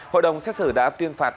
hội đồng xét xử đã tuyên phạt